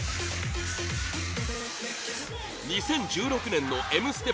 ２０１６年の「Ｍステ」